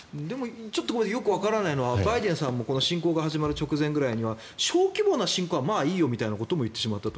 よくわからないのはバイデンさんも侵攻が始まる直前くらいには小規模な侵攻はまあいいよということも言ってしまったと。